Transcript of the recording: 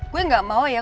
gue nggak mau ya